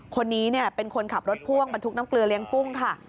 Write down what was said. คนนี้เป็นคนขับรถพ่วงบรรทุกน้ำเกลือเลี้ยงกุ้งค่ะ